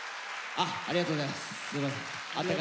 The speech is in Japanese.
ありがとうございます。